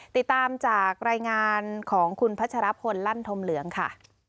ติดตามจากรายงานของคุณพัชรพลลั่นธมเหลืองค่ะ